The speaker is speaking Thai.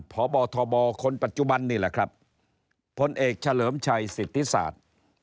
พบทบคนปัจจุบันนี่แหละครับพลเอกเฉลิมชัยสิทธิศาสตร์